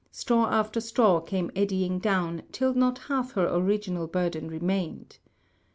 Straw after straw came eddying down, till not half her original burden remained.